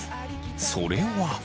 それは。